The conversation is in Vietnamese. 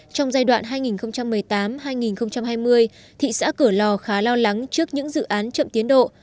trong giai đoạn hai nghìn một mươi tám hai nghìn hai mươi thị xã cửa lò khá lo lắng trước những dự án chậm tiến độ